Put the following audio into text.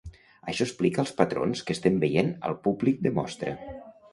Això explica els patrons que estem veient al públic de mostra.